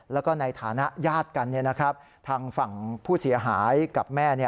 แล้วก็ในฐานะญาติกันทางฝั่งผู้เสียหายกับแม่